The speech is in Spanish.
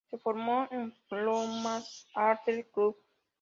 Se formó en Lomas Athletic Club.